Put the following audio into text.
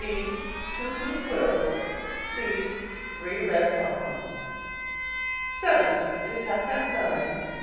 B. Two blue quills. C. Three red pompoms. VII. It is half past nine.